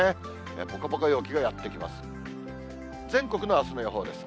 ぽかぽか陽気がやって来ます。